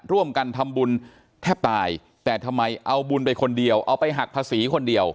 ร่วมกันทำบุญแทบตายแต่ทำไมเอาบุญไปคนเดียวเอาไปหักภาษีคนเดียว